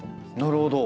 なるほど。